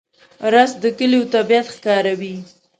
رس د کلیو طبیعت ښکاروي